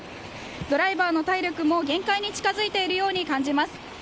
ドライバーの体力も限界に近付いているように感じます。